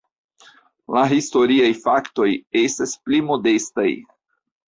La historiaj faktoj estas pli modestaj.